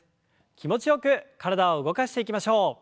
気持ちよく体を動かしていきましょう。